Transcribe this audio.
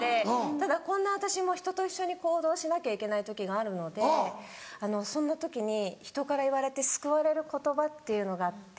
ただこんな私も人と一緒に行動しなきゃいけない時があるのでそんな時に人から言われて救われる言葉っていうのがあって。